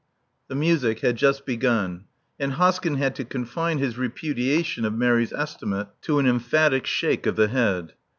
The music had just begun; and Hoskyn had to confine his repudiation of Mary's estimate to an emphatic shake of the head.